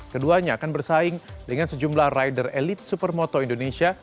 keduanya akan bersaing dengan sejumlah rider elit supermoto indonesia